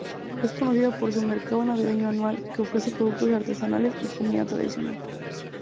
Es conocida por su mercado navideño anual, que ofrece productos artesanales y comida tradicionales.